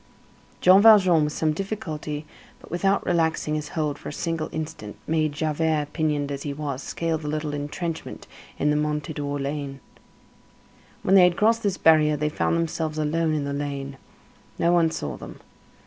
Jean Valjean with some difficulty, but without relaxing his hold for a single instant, made Javert, pinioned as he was, scale the little entrenchment in the Mondétour lane. When they had crossed this barrier, they found themselves alone in the lane. No one saw them.